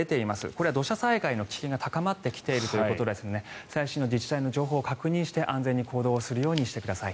これは土砂災害の危険が高まっているということで最新の自治体の情報を確認して安全に行動するようにしてください。